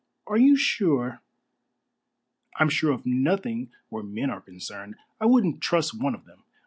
"Are you sure?" "I'm sure of nothing where men are concerned. I wouldn't trust one of them.